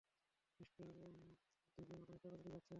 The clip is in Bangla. মিঃ ডেভলিন, আপনি এত তাড়াতাড়ি যাচ্ছেন?